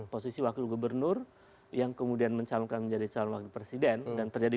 posisi wakil gubernur yang kemudian mencalonkan menjadi calon wakil presiden dan terjadi